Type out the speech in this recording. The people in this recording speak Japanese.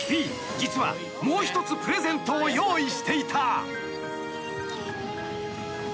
実はもう一つプレゼントを用意していた］